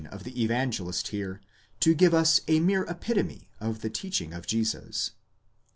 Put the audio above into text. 377 of the Evangelist here to give us a mere epitome of the teaching of Jesus.